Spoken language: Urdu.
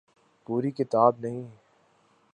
پوری کتاب نہیں۔